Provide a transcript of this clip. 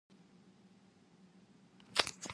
Kita harus bersaing harga dengan toko-toko lokal.